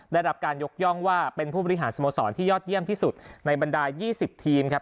ได้รับการยกย่องว่าเป็นผู้บริหารสโมสรที่ยอดเยี่ยมที่สุดในบรรดา๒๐ทีมครับ